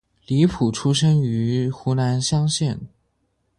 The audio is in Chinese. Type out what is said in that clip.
李普出生于湖南湘乡。